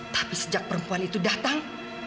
tapi sejak perempuan itu datang